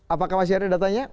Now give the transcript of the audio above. apakah masih ada datanya